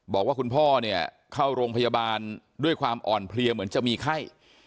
บอกว่าคุณพ่อเนี่ยเข้าโรงพยาบาลด้วยความอ่อนเพลียเหมือนจะมีไข้